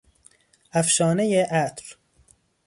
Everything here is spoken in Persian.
افشانهی عطر